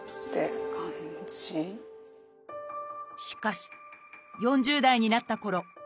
しかし４０代になったころ